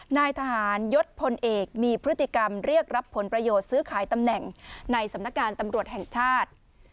นายทหารยศพลเอกมีพฤติกรรมเรียกรับผลประโยชน์ซื้อขายตำแหน่งในสำนักงานตำรวจแห่งชาติ